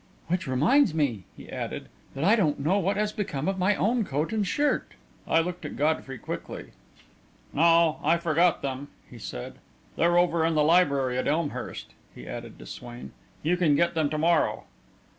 "Which reminds me," he added, "that I don't know what has become of my own coat and shirt." I looked at Godfrey quickly. "No, I forgot them," he said. "They're over in the library at Elmhurst," he added to Swain. "You can get them to morrow."